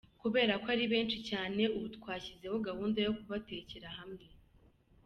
Kubera ko ari benshi cyane ubu twashyizeho gahunda yo kubatekera hamwe.